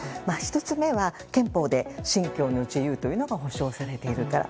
１つ目は憲法で信教の自由が保障されているから。